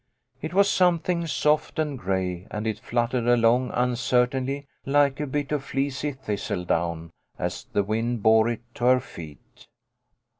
It was something soft and gray, and it fluttered along uncertainly, like a bit of fleecy thistledown, as the wind bore it to her feet.